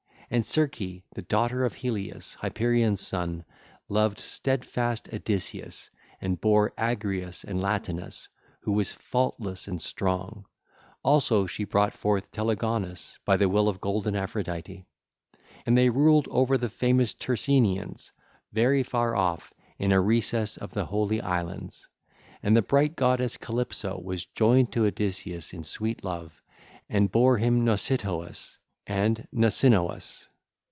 1011 1016) And Circe the daughter of Helius, Hyperion's son, loved steadfast Odysseus and bare Agrius and Latinus who was faultless and strong: also she brought forth Telegonus by the will of golden Aphrodite. And they ruled over the famous Tyrenians, very far off in a recess of the holy islands. (ll. 1017 1018) And the bright goddess Calypso was joined to Odysseus in sweet love, and bare him Nausithous and Nausinous.